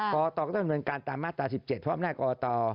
กกตก็ได้ดำเนินการตามมาตรา๑๗พร้อมหน้ากกต